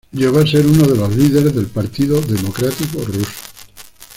Llegó a ser uno de los líderes del Partido Democrático Ruso.